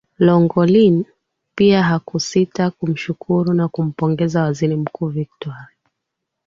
lagolin pia hakusita kumshukuru na kumpongeza waziri mkuu vitwar